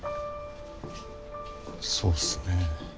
そうっすね。